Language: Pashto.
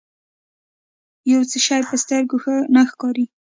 يو شی په سترګو ښه نه ښکاري.